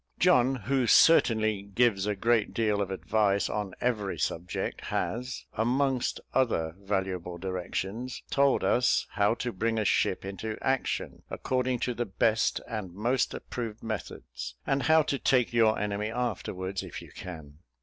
John, who certainly gives a great deal of advice on every subject, has, amongst other valuable directions, told us how to bring a ship into action, according to the best and most approved methods, and how to take your enemy afterwards, if you can.